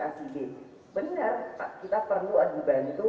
jadi benar kita perlu dibantu